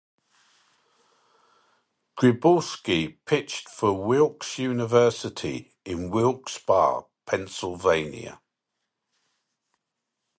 Gryboski pitched for Wilkes University in Wilkes-Barre, Pennsylvania.